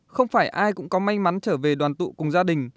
không phải ai cũng có may mắn trở về đoàn tụ cùng gia đình